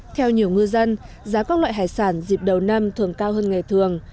theo nhiều ngư dân giá các loại hải sản dịp đầu năm thường cao hơn ngày thường